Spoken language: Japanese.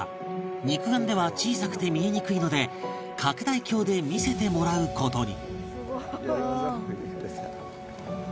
肉眼では小さくて見えにくいので拡大鏡で見せてもらう事に